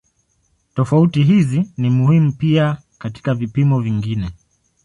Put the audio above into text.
Tofauti hizi ni muhimu pia katika vipimo vingine.